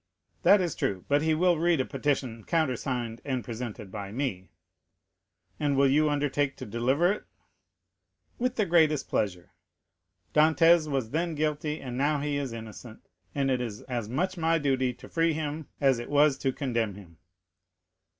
"That is true; but he will read a petition countersigned and presented by me." "And will you undertake to deliver it?" "With the greatest pleasure. Dantès was then guilty, and now he is innocent, and it is as much my duty to free him as it was to condemn him."